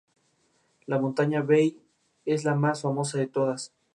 O de Pafos, entendido como el heredero varón de este último.